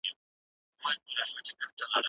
هغې په خپل زړه کې د وطن د هرې خښتې یاد لرل.